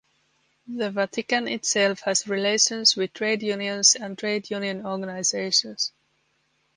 The Vatican itself has relations with trade unions and trade union organisations.